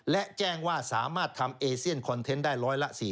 และแจ้งว่าสามารถทำเอเซียนคอนเทนต์ได้ร้อยละ๔๐